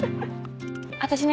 私ね